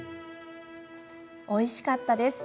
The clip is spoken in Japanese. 「おいしかったです。